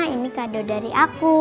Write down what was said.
ini kado dari aku